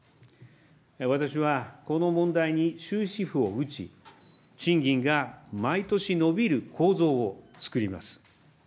私はこの問題に終止符を打ち、賃金が毎年伸びる構造を作ります。